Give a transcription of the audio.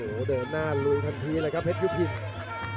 โอ้โหเดินหน้าลุยทันทีเลยครับเพชรยุพิน